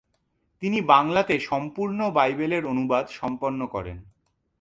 তিনি বাংলাতে সম্পূর্ণ বাইবেলের অনুবাদ সম্পন্ন করেন।